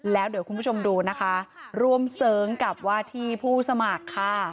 แล้วเดี๋ยวคุณผู้ชมดูนะคะร่วมเสริงกับว่าที่ผู้สมัครค่ะ